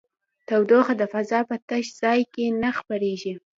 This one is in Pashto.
تودوخه د فضا په تش ځای کې نه خپرېږي.